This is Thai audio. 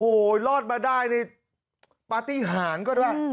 โหรอดมาได้ในปาร์ตี้หางก็ด้วย